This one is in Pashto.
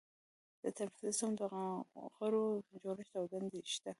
د تنفسي سیستم د غړو جوړښت او دندې شته.